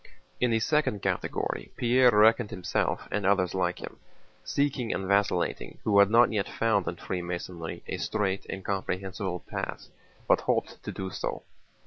In the second category Pierre reckoned himself and others like him, seeking and vacillating, who had not yet found in Freemasonry a straight and comprehensible path, but hoped to do so.